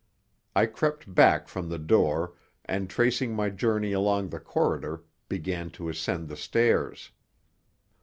I crept back from the door and, tracing my journey along the corridor, began to ascend the stairs.